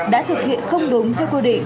đã thực hiện không đúng theo quy định